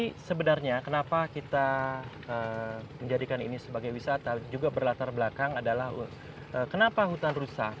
tapi sebenarnya kenapa kita menjadikan ini sebagai wisata juga berlatar belakang adalah kenapa hutan rusak